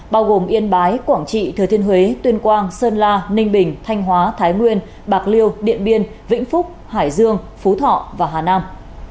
bao gồm yên bái quảng trị thừa thiên huế tuyên quang sơn la ninh bình thanh hóa thái nguyên bạc liêu điện biên vĩnh phúc hải dương phú thọ và hà nam